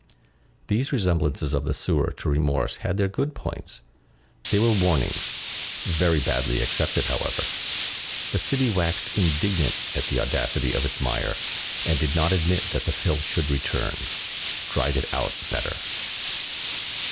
These resemblances of the sewer to remorse had their good points; they were warnings; very badly accepted, however; the city waxed indignant at the audacity of its mire, and did not admit that the filth should return. Drive it out better.